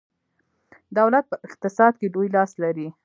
دولت په اقتصاد کې لوی لاس لري.